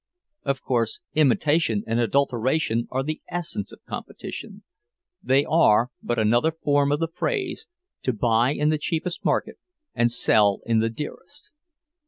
Of course, imitation and adulteration are the essence of competition—they are but another form of the phrase 'to buy in the cheapest market and sell in the dearest.